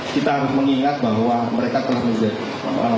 kita harus mengingat bahwa mereka telah menjadi